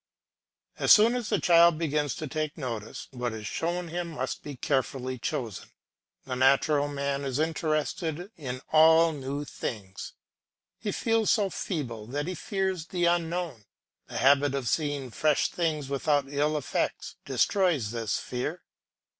As soon as the child begins to take notice, what is shown him must be carefully chosen. The natural man is interested in all new things. He feels so feeble that he fears the unknown: the habit of seeing fresh things without ill effects destroys this fear.